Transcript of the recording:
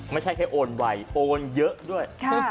ไม่ใช่แค่โอนไวโอนเยอะด้วย